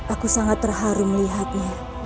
aku sangat terharu melihatnya